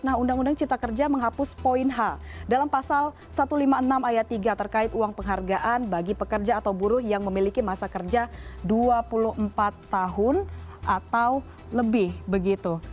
nah undang undang cipta kerja menghapus poin h dalam pasal satu ratus lima puluh enam ayat tiga terkait uang penghargaan bagi pekerja atau buruh yang memiliki masa kerja dua puluh empat tahun atau lebih begitu